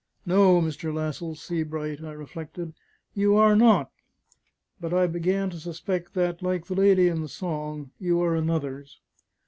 "No, Mr. Lascelles Sebright," I reflected, "you are not, but I begin to suspect that (like the lady in the song) you are another's.